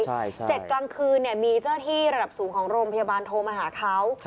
เสร็จกลางคืนมีเจ้าหน้าที่ระดับสูงของโรงพยาบาลโทรมาหาเขา